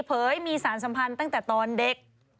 เผยมีสารสัมพันธ์ตั้งแต่ตอนเด็ก